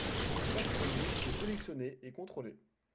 Chaque produit est sélectionné et contrôlé.